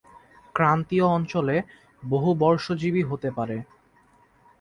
ক্রান্তীয় অঞ্চলে বহুবর্ষজীবী হতে পারে।